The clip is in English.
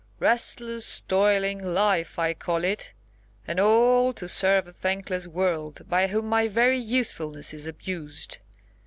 Restless, toiling life I call it, and all to serve a thankless world, by whom my very usefulness is abused.